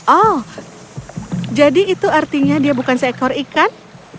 oh jadi itu artinya dia bukan seekor ikan